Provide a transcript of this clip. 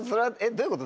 どういうこと？